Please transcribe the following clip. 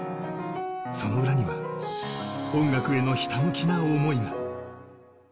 その裏には音楽へのひたむきな想いが。